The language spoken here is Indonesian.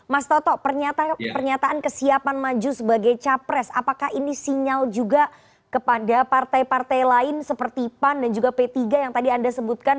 mas toto pernyataan kesiapan maju sebagai capres apakah ini sinyal juga kepada partai partai lain seperti pan dan juga p tiga yang tadi anda sebutkan